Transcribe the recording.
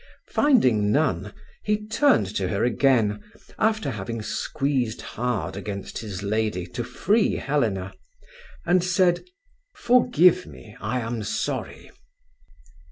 Finding none, he turned to her again, after having squeezed hard against his lady to free Helena, and said: "Forgive me, I am sorry."